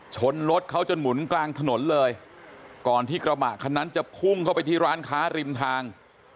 ชนรถเขาจนหมุนกลางถนนเลยก่อนที่กระบะคันนั้นจะพุ่งเข้าไปที่ร้านค้าริมทาง